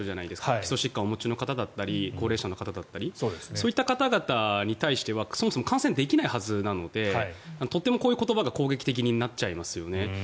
基礎疾患をお持ちの方だったり高齢者の方だったりそういった方々に対してはそもそも感染できないはずなのでとても、こういう言葉が攻撃的になっちゃいますよね。